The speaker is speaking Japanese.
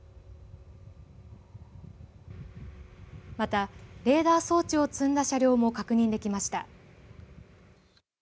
また、レーダー装置を積んだ車両も確認できました。